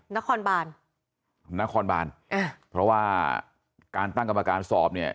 นครบานนครบานอ่าเพราะว่าการตั้งกรรมการสอบเนี่ย